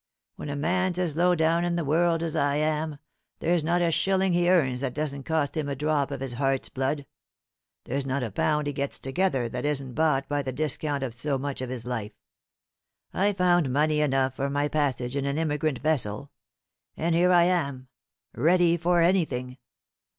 When a man's as low down in the world as I am, there's not a shilling he earns that doesn't cost him a drop of his heart's blood; there's not a pound he gets together that isn't bought by the discount of so much of his life. I found money enough for my passage in an emigrant vessel; and here I am, ready for anything.